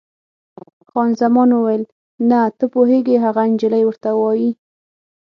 خان زمان وویل: نه، ته پوهېږې، هغه انجلۍ ورته وایي.